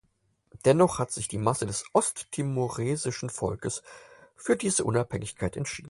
Dennoch hat sich die Masse des osttimoresischen Volkes für diese Unabhängigkeit entschieden.